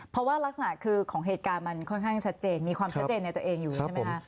เพราะว่ารักษณะคือของเหตุการณ์มันค่อนข้างชัดเจนมีความชัดเจนในตัวเองอยู่ใช่ไหมคะ